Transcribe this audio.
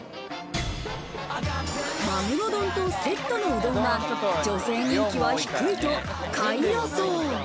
まぐろ丼とセットのうどんは、女性人気は低いと下位予想。